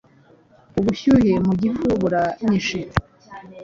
Ubushyuhe mu gifu buranyishe